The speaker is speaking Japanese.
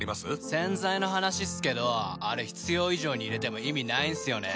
洗剤の話っすけどあれ必要以上に入れても意味ないんすよね。